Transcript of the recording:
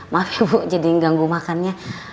maaf ibu jadi ganggu makannya